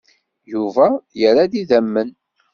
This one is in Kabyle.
Yuba yerra-d idammen.